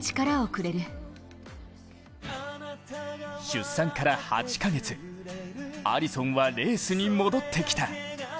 出産から８カ月、アリソンはレースに戻ってきた。